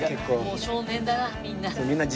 もう少年だなみんな。